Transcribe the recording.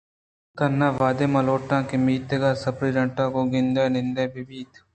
تناوہدے من لوٹاں کہ میتگ ءِ سپرنٹنڈنٹ ءَ گوں گندءُ نندے بہ بیت